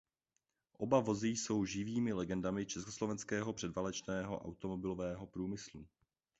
Oba vozy jsou živými legendami československého předválečného automobilového průmyslu.